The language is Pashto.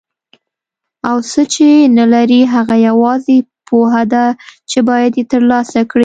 او څه چې نه لري هغه یوازې پوهه ده چې باید یې ترلاسه کړي.